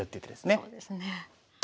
そうですね。